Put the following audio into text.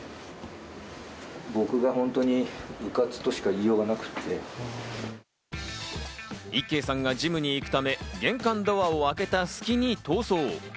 いっけいさんがジムに行くため玄関ドアを開けた隙に逃走。